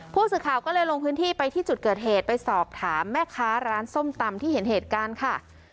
ผู้สื่อข่าวก็เลยลงพื้นที่ไปที่จุดเกิดเหตุไปสอบถามแม่ค้าร้านส้มตำที่เห็นเหตุการณ์ค่ะ